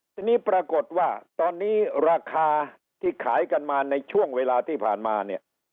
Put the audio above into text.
ทีนี้ปรากฏว่าตอนนี้ราคาที่ขายกันมาในช่วงเวลาที่ผ่านมาเนี่ย